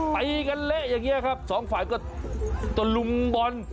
ไปกันเละอย่างแง่ครับสองฝ่ายก็ตลงบ่น